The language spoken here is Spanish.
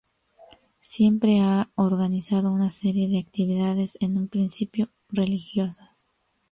Siempre ha organizado una serie de actividades, en un principio religiosas.